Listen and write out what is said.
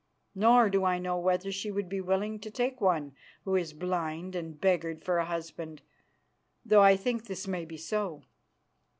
Nor do I know whether she would be willing to take one who is blind and beggared for a husband, though I think this may be so."